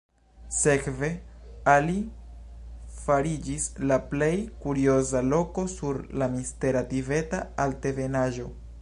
Sekve Ali fariĝis la plej kurioza loko sur la mistera Tibeta Altebenaĵo.